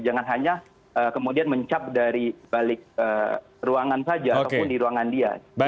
jangan hanya kemudian mencap dari balik ruangan saja ataupun di ruangan dia